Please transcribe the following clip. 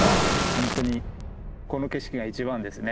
本当にこの景色が一番ですね。